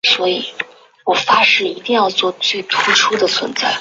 威尔逊生于一个移民到加拿大安大略省渥太华的苏格兰家庭。